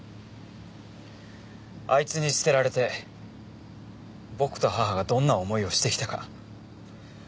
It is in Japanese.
あいつに捨てられて僕と母がどんな思いをしてきたか